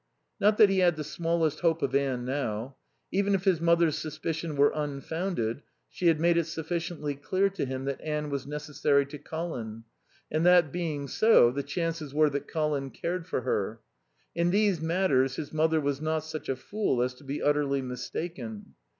Not that he had the smallest hope of Anne now. Even if his mother's suspicion were unfounded, she had made it sufficiently clear to him that Anne was necessary to Colin; and, that being so, the chances were that Colin cared for her. In these matters his mother was not such a fool as to be utterly mistaken.